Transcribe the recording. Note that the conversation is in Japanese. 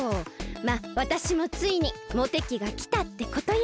まっわたしもついにモテキがきたってことよ。